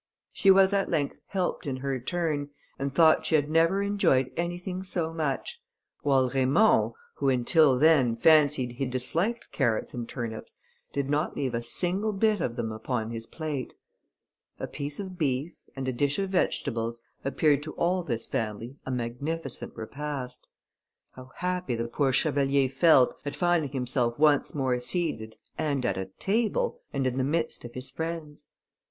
She was at length helped in her turn, and thought she had never enjoyed anything so much; while Raymond, who, until then, fancied he disliked carrots and turnips, did not leave a single bit of them upon his plate. A piece of beef, and a dish of vegetables, appeared to all this family a magnificent repast. How happy the poor chevalier felt, at finding himself once more seated, and at table, and in the midst of his friends!